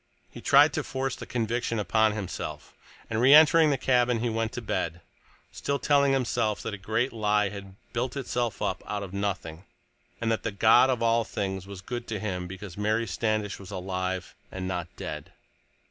He tried to force the conviction upon himself, and reentering the cabin he went to bed, still telling himself that a great lie had built itself up out of nothing, and that the God of all things was good to him because Mary Standish was alive, and not dead.